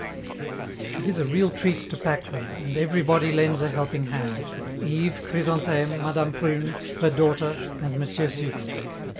It is a real treat to pack them, and everybody lends a helping hand Yves, Chrysantheme, Madame Prune, her daughter, and M. Sucre.